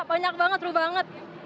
banyak banget seru banget